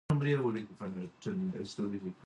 افغانستان کې انار د نن او راتلونکي لپاره ارزښت لري.